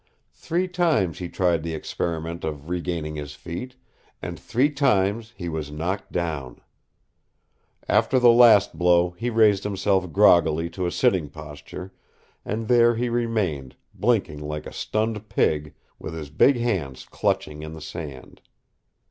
Three times he tried the experiment of regaining his feet, and three times he was knocked down. After the last blow he raised himself groggily to a sitting posture, and there he remained, blinking like a stunned pig, with his big hands clutching in the sand.